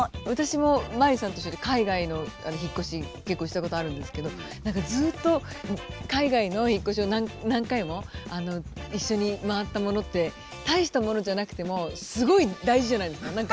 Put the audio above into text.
私もマリさんと一緒で海外の引っ越し結構したことあるんですけど何かずっと海外の引っ越しを何回も一緒に回ったものって大したものじゃなくてもすごい大事じゃないですか。